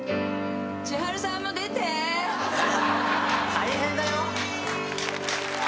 大変だよ！